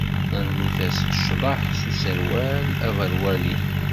Rnut-as ccḍeḥ s userwal aberwali!